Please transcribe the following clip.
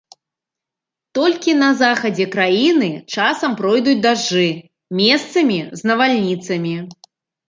Толькі на захадзе краіны часам пройдуць дажджы, месцамі з навальніцамі.